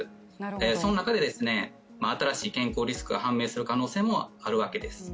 その中で新しい健康リスクが判明する可能性もあるわけです。